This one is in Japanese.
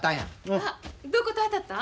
どこと当たったん？